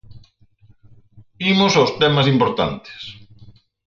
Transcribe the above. Imos aos temas importantes.